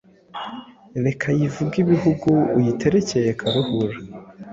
Reka yivuge ibihugu Uyiterekeye Karuhura